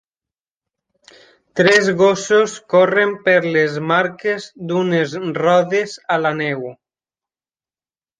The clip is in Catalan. Tres gossos corren per les marques d'unes rodes a la neu.